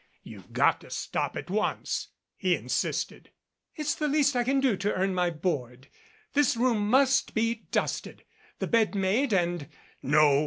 "You've got to stop it at once," he insisted. "It's the least I can do to earn my board. This room must be dusted, the bed made and "No.